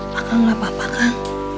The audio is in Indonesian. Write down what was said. pakang lah papa pakang